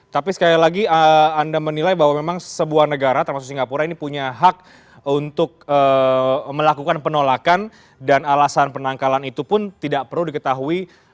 tapi sekali lagi anda menilai bahwa memang sebuah negara termasuk singapura ini punya hak untuk melakukan penolakan dan alasan penangkalan itu pun tidak perlu diketahui